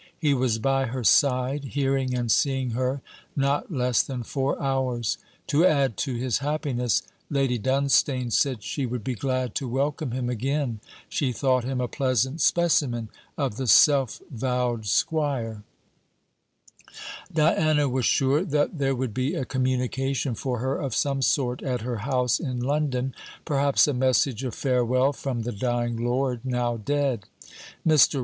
He was by her side, hearing and seeing her, not less than four hours. To add to his happiness, Lady Dunstane said she would be glad to welcome him again. She thought him a pleasant specimen of the self vowed squire. Diana was sure that there would be a communication for her of some sort at her house in London; perhaps a message of farewell from the dying lord, now dead. Mr.